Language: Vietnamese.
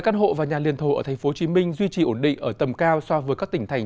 căn hộ và nhà liền thổ ở thành phố hồ chí minh duy trì ổn định ở tầm cao so với các tỉnh thành